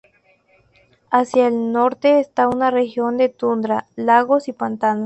Hacia el norte está una región de tundra, lagos y pantanos.